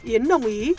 yến đồng ý